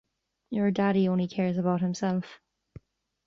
Your daddy only cares about himself.